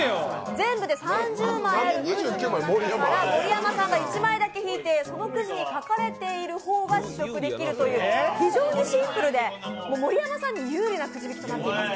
全部で３０枚あるくじの中から盛山さんが１枚だけ引いて、そのくじに書かれている方が試食できるという非常にシンプルで、盛山さんに有利なくじ引きとなっています。